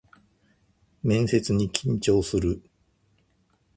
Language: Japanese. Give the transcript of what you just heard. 面接に緊張する